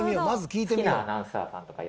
まず聞いてみよう。